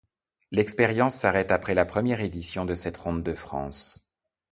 L'expérience s'arrête après la première édition de cette Ronde de France.